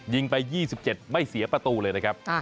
ยิงไป๒๗ไม่เสียประตูเลยนะครับ